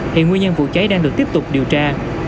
hiện nguyên nhân vụ cháy đang được tiếp tục điều tra